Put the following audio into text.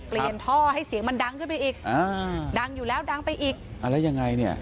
ท่อให้เสียงมันดังขึ้นไปอีกอ่าดังอยู่แล้วดังไปอีกอ่าแล้วยังไงเนี่ย